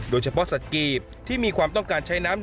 สัตว์กีบที่มีความต้องการใช้น้ำ